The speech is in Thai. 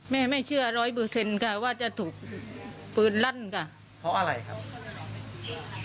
ไม่เชื่อร้อยเปอร์เซ็นต์ค่ะว่าจะถูกปืนลั่นค่ะเพราะอะไรครับ